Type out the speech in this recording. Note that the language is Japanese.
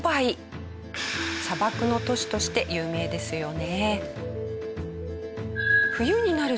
砂漠の都市として有名ですよね。